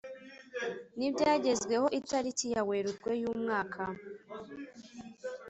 N ibyagezweho itariki ya werurwe y umwaka